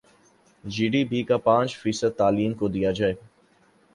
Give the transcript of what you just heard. جی D P کا پانچ فیصد تعلیم کو دیا جائے